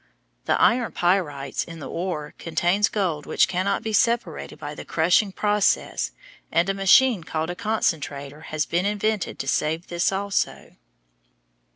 The iron pyrites in the ore contains gold which cannot be separated by the crushing process and a machine called a concentrator has been invented to save this also.